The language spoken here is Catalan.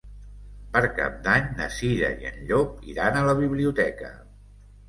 Per Cap d'Any na Cira i en Llop iran a la biblioteca.